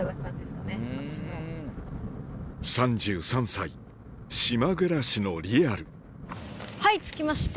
３３歳島暮らしのリアル